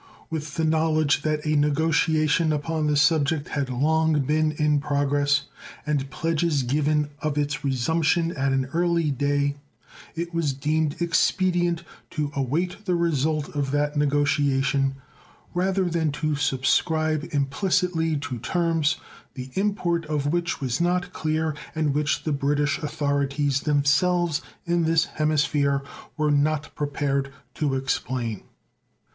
With the knowledge that a negotiation upon the subject had long been in progress and pledges given of its resumption at an early day, it was deemed expedient to await the result of that negotiation rather than to subscribe implicitly to terms the import of which was not clear and which the British authorities themselves in this hemisphere were not prepared to explain.